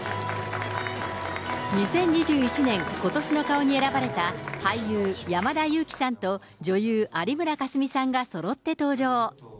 ２０２１年今年の顔に選ばれた俳優、山田裕貴さんと女優、有村架純さんがそろって登場。